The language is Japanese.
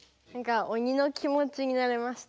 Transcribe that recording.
鬼の気持ちになれました。